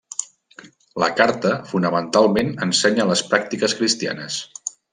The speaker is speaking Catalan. La carta fonamentalment ensenya les pràctiques cristianes.